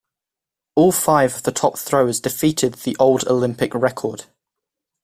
All five of the top throwers defeated the old Olympic record.